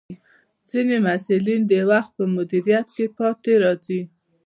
ځینې محصلین د وخت پر مدیریت کې پاتې راځي.